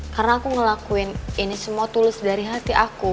karena aku ngelakuin ini semua tulus dari hati aku